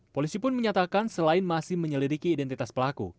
polisi pun menyatakan selain masih menyelidiki identitas pelaku